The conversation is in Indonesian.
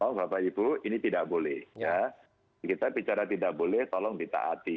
oh bapak ibu ini tidak boleh kita bicara tidak boleh tolong ditaati